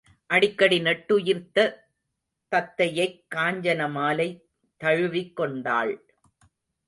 அடிக்கடி நெட்டுயிர்த்த தத்தையைக் காஞ்சனமாலை தழுவிக் கொண்டாள்.